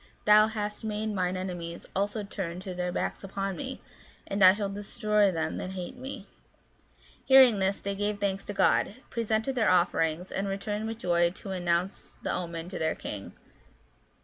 Thou hast made mine enemies also to turn their backs upon me : and I shall destroy them that hate me" (Ps. xviii. 37, 40). Hearing this, they gave thanks to God, presented their offerings, and returned with joy to announce the omen to their king.